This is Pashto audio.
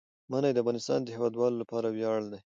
منی د افغانستان د هیوادوالو لپاره ویاړ دی.